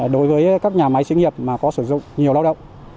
đối với các nhà máy sĩ nghiệp mà có sử dụng nhiều lao động